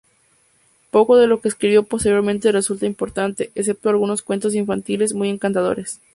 Poco de lo que escribió posteriormente resulta importante, excepto algunos cuentos infantiles muy encantadores.